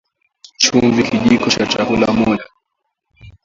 Chumvi Kijiko cha chakula moja